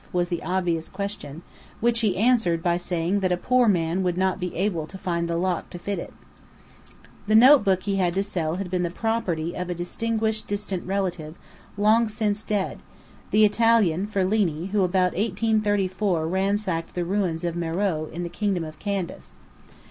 was the obvious question; which he answered by saying that a poor man would not be able to find the lock to fit it. The notebook he had to sell had been the property of a distinguished distant relative, long since dead; the Italian, Ferlini, who about 1834 ransacked the ruins of Meröe in the kingdom of Candace.